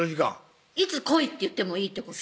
いつ「来い」って言ってもいいってこと？